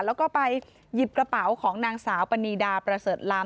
แล้วก็ไปหยิบกระเป๋าของนางสาวปณีดาประเสริฐล้ำ